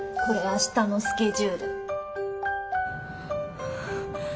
これ明日のスケジュール。